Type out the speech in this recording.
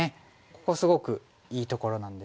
ここすごくいいところなんですが。